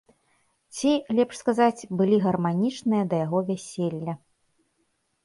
Ці, лепш сказаць, былі гарманічныя да яго вяселля.